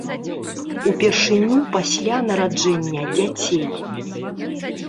Упершыню пасля нараджэння дзяцей.